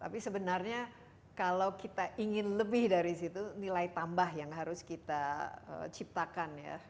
tapi sebenarnya kalau kita ingin lebih dari situ nilai tambah yang harus kita ciptakan ya